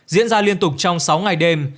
diễn ra liên tục trong sáu ngày đêm